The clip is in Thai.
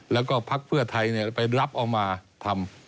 แล้วก็พักเพื่อไทยไปรับเอามาทำ